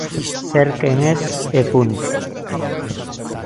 Ser quen es, e punto.